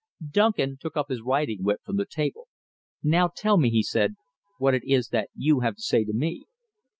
Duncan took up his riding whip from the table. "Now tell me," he said, "what it is that you have to say to me."